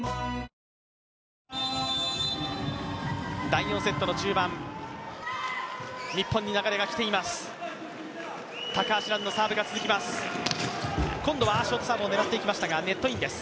第４セットの中盤日本に流れが来ています。